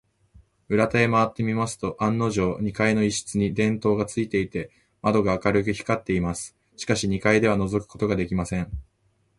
裏手へまわってみますと、案のじょう、二階の一室に電燈がついていて、窓が明るく光っています。しかし、二階ではのぞくことができません。